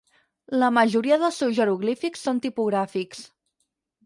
La majoria dels seus jeroglífics són tipogràfics.